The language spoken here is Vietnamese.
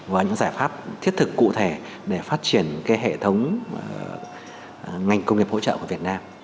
và những giải pháp thiết thực cụ thể để phát triển hệ thống ngành công nghiệp hỗ trợ của việt nam